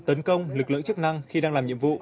tấn công lực lượng chức năng khi đang làm nhiệm vụ